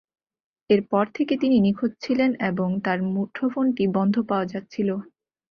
এরপর থেকে তিনি নিখোঁজ ছিলেন এবং তাঁর মুঠোফোনটি বন্ধ পাওয়া যাচ্ছিল।